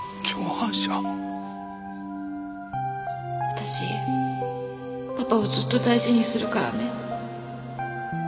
私パパをずっと大事にするからね。